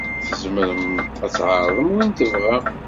Tzemrem ad d-tɛerḍem win tebɣam.